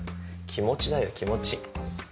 気持ちだよ気持ち。